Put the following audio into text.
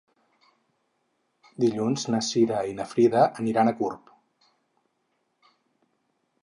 Dilluns na Cira i na Frida aniran a Gurb.